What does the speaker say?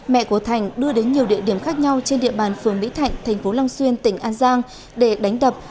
mẹ của thành đưa đến nhiều địa điểm khác nhau trên địa bàn phường mỹ thạnh thành phố long xuyên tỉnh an giang để đánh đập